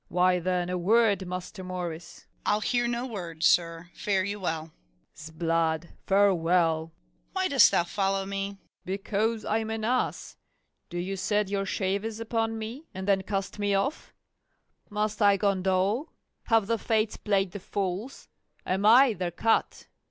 Why, then, a word, Master Morris. MORRIS. I'll hear no words, sir; fare you well. FAULKNER. 'Sblood, farewell. MORRIS. Why dost thou follow me? FAULKNER. Because I'm an ass. Do you set your shavers upon me, and then cast me off? must I condole? have the Fates played the fools? am I their cut?